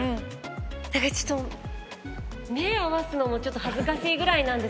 だからちょっと目合わすのもちょっと恥ずかしいぐらいなんですけど。